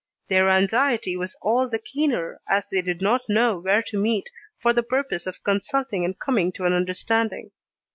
Their anxiety was all the keener as they did not know where to meet for the purpose of consulting and coming to an understanding.